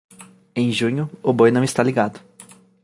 Em junho, o boi não está ligado.